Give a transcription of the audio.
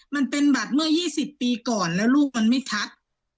มันเป็นบัตรเมื่อ๒๐ปีก่อนแล้วลูกมันไม่ชัด